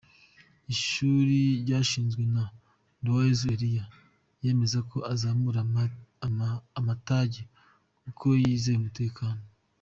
Ishuri ryashinzwe na Nduwayesu Elie yemeza ko azamura amatage kuko yizeye umutekano.